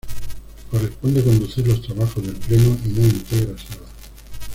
Le corresponde conducir los trabajos del Pleno y no integra sala.